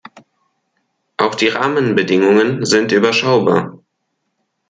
Auch die Rahmenbedingungen sind überschaubar.